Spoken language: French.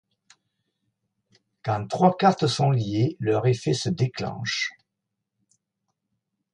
Quand trois cartes sont liées, leur effet se déclenchent.